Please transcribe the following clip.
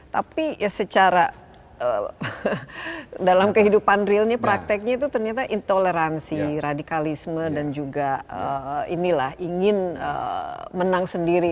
tapi ya secara dalam kehidupan realnya prakteknya itu ternyata intoleransi radikalisme dan juga inilah ingin menang sendiri